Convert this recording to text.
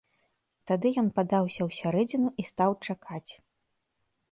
Тады ён падаўся ў сярэдзіну і стаў чакаць.